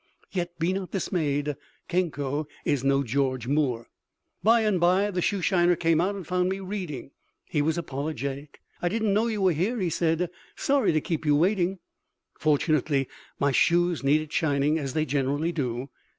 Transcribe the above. Yet be not dismayed. Kenko is no George Moore. By and bye the shoeshiner came out and found me reading. He was apologetic. "I didn't know you were here," he said. "Sorry to keep you waiting." Fortunately my shoes needed shining, as they generally do.